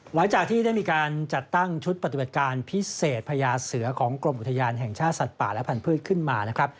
หลังจากที่ได้มีการจัดตั้งชุดปฏิบัติการพิเศษพญาเสือของกรมอุทยานแห่งชาติสัตว์ป่าและพันธุ์ขึ้นมานะครับ